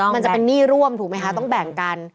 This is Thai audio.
มันจะเป็นหนี้ร่วมถูกไหมคะต้องแบ่งกัน